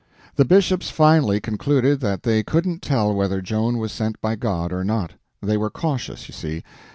The bishops finally concluded that they couldn't tell whether Joan was sent by God or not. They were cautious, you see.